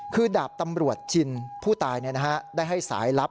คือดาบตำรวจชินผู้ตายได้ให้สายลับ